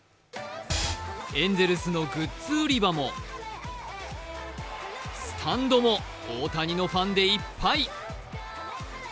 エンゼルスのグッズ売り場もスタンドも、大谷のファンでいっぱい。